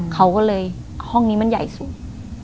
เขาก็เลยห้องนี้มันใหญ่สูง